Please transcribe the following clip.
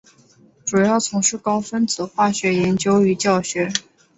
主要从事高分子化学研究与教学。